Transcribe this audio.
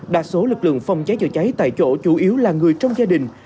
đa số lực lượng phòng cháy chữa cháy tại chỗ chủ yếu là người trong gia đình